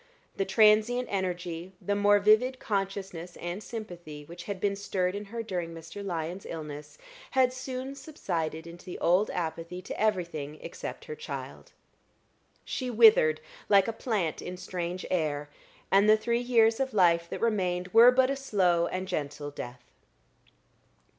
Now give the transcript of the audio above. The transient energy, the more vivid consciousness and sympathy which had been stirred in her during Mr. Lyon's illness, had soon subsided into the old apathy to everything except her child. She withered like a plant in strange air, and the three years of life that remained were but a slow and gentle death.